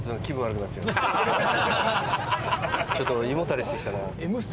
ちょっと胃もたれしてきたな。